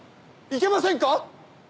いけませんか？